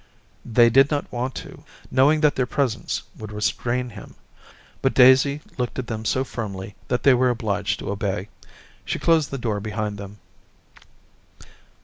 They did not want to, knowing that their presence would restrain him ; but Daisy looked at them so firmly that they were obliged to obey. She closed the door be hind them.